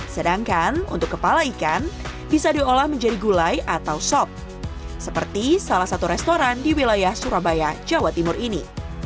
sedangkan untuk kepala ikan bisa diolah menjadi gulai atau sop seperti salah satu restoran di wilayah surabaya jawa timur ini